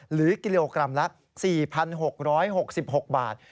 หรือกิโลกรัมละ๔๖๖บาท